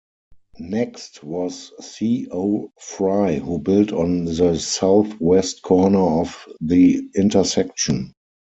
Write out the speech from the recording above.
Next was C. O. Fry who built on the southwest corner of the intersection.